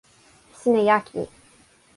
sina jaki!